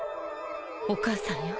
お母さんよ。